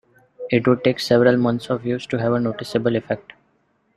It would take several months of use to have a noticeable effect.